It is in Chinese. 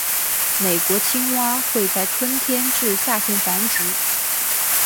美国青蛙会在春天至夏天繁殖。